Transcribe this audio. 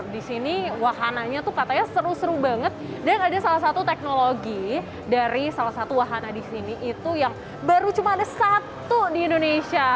di sini wahananya tuh katanya seru seru banget dan ada salah satu teknologi dari salah satu wahana di sini itu yang baru cuma ada satu di indonesia